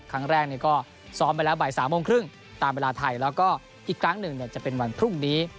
ครั้งแรกก็ซ้อมไปแล้วบ่าย๓โมงครึ่งตามเวลาไทยแล้วก็อีกครั้งหนึ่งจะเป็นวันพรุ่งนี้